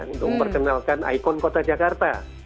untuk memperkenalkan ikon kota jakarta